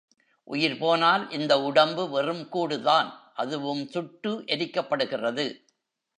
உயிர் போனால் இந்த உடம்பு வெறும் கூடுதான் அதுவும் சுட்டு எரிக்கப்படுகிறது.